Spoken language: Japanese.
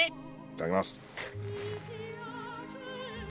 いただきます。